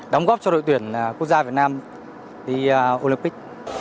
đóng góp cho đội tuyển quốc gia việt nam đi olympic